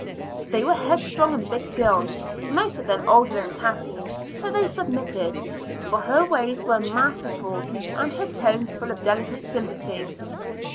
They were headstrong and big girls, most of them older than Kathleen, but they submitted, for her ways were masterful and her tone full of delicate sympathy.